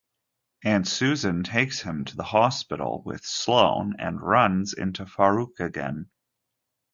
Aunt Susan takes him to the hospital with Sloane and runs into Farooq again.